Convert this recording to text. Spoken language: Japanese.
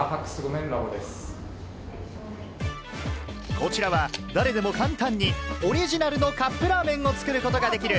こちらは誰でも簡単にオリジナルのカップラーメンを作ることができる、